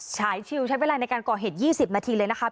ใช้เวลาใช้เวลาในก่อเห็น๒๐นาทีเลยนะครับ